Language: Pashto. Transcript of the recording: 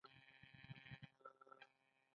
بګرام هوایي اډه څومره لویه ده؟